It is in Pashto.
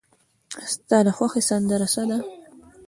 ستا د خوښې سندره څه ده؟